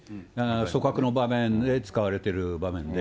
組閣の場面で使われている場面で。